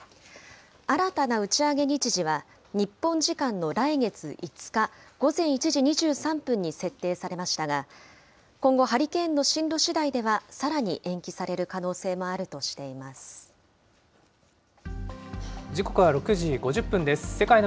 新たな打ち上げ日時は、日本時間の来月５日午前１時２３分に設定されましたが、今後、ハリケーンの進路しだいでは、さらに延期さ時刻は６時５０分です。